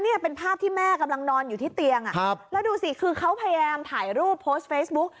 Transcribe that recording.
นี่เป็นภาพที่แม่กำลังนอนอยู่ที่เตียงแล้วดูสิคือเขาพยายามถ่ายรูปโพสต์เฟซบุ๊ก